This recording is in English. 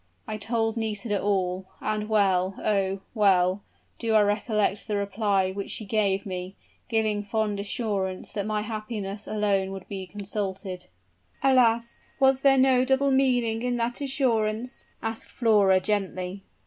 I told Nisida all: and well oh! well do I recollect the reply which she gave me, giving fond assurance that my happiness would alone be consulted." "Alas! Was there no double meaning in that assurance?" asked Flora, gently.